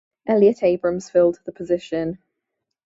Elliot Abrams filled the position.